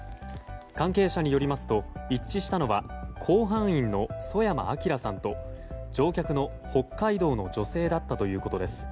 関係者によりますと一致したのは甲板員の曽山聖さんと乗客の北海道の女性だったということです。